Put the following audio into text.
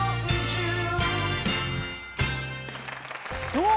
どう？